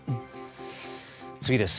次です。